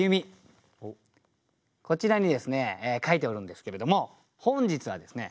こちらにですね書いておるんですけれども本日はですね